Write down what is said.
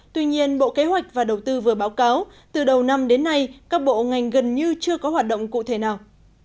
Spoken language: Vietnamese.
tuy nhiên bộ kế hoạch và đầu tư vừa báo cáo từ đầu năm đến nay các bộ ngành gần như chưa có hoạt động cụ thể nào